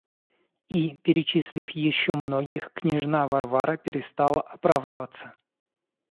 И, перечислив еще многих, княжна Варвара перестала оправдываться.